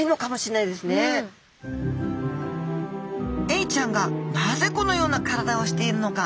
エイちゃんがなぜこのような体をしているのか？